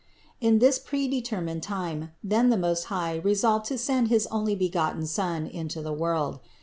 In this predetermined time then the Most High resolved to send his onlybegotten Son into the world.